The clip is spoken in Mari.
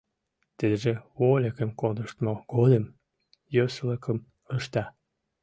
Тидыже вольыкым кондыштмо годым йӧсылыкым ышта.